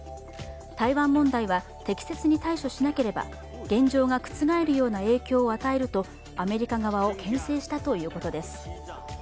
台湾問題は適切に対処しなければ現状が覆るような影響を与えるとアメリカ側をけん制したということです。